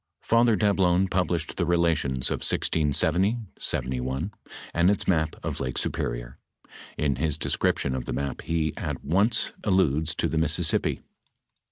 Father Dablon published the Relations of 1670 71, and its map of Lake Superior. In his description of the map he at once alludes to the Mississippi.